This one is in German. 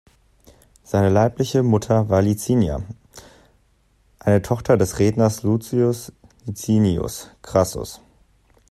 Seine leibliche Mutter war Licinia, eine Tochter des Redners Lucius Licinius Crassus.